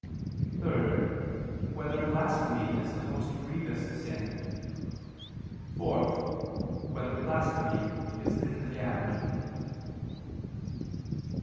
(3) Whether blasphemy is the most grievous sin? (4) Whether blasphemy is in the damned?